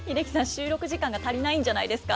収録時間が足りないんじゃないですか？